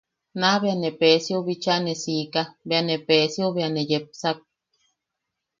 Naa bea ne Peesiou bicha ne siika, bea ne Peesiou bea ne yepsak.